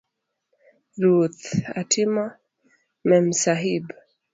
ruoth; atimo Memsahib